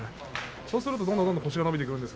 そうするとどんどん腰が伸びてくるんです。